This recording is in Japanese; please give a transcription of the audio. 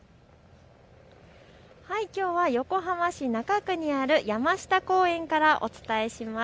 きょうは横浜市中区にある山下公園からお伝えします。